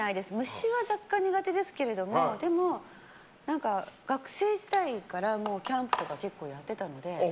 虫は若干、苦手ですけれどもでも、学生時代からキャンプとか結構やってたので。